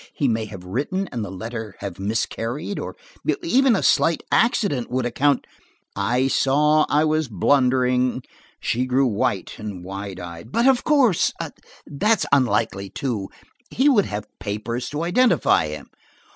He may have written and the letter have miscarried or–even a slight accident would account–" I saw I was blundering; she grew white and wide eyed. "But, of course, that's unlikely too. He would have papers to identify him."